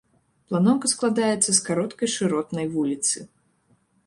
Планоўка складаецца з кароткай шыротнай вуліцы.